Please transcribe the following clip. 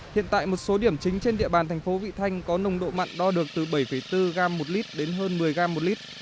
hiện tại một số điểm chính trên địa bàn thành phố vị thanh có nồng độ mặn đo được từ bảy bốn gram một lít đến hơn một mươi gram một lít